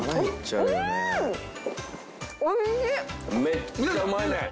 めっちゃうまいね。